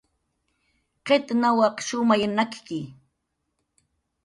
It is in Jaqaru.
Qit nawaq shumay nakki